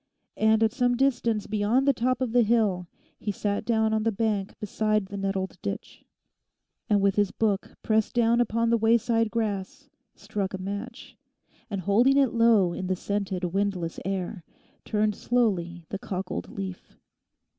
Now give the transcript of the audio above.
And at some distance beyond the top of the hill he sat down on the bank beside a nettled ditch, and with his book pressed down upon the wayside grass struck a match, and holding it low in the scented, windless air turned slowly the cockled leaf.